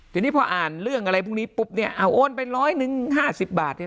ทีนี้พออ่านเรื่องอะไรพวกนี้ปุ๊บเนี่ยเอาโอนไปร้อยหนึ่งห้าสิบบาทเนี่ย